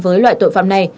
với loại tội phạm này